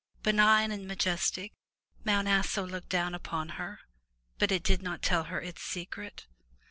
Benign and majestic, Mt. Aso looked down upon her, but it did not tell her its secret.